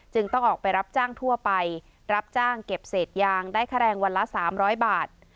ต้องออกไปรับจ้างทั่วไปรับจ้างเก็บเศษยางได้ค่าแรงวันละ๓๐๐บาท